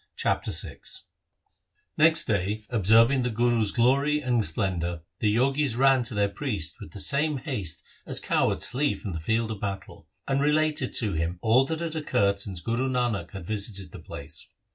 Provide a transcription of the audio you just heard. Chapter VI Next day, observing the Guru's glory and splen dour, the Jogis ran to their priest with the same haste as cowards flee from the field of battle, and related to him all that had occurred since Guru Nanak had visited the place.